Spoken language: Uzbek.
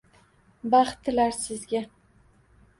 Baxt tilar sizga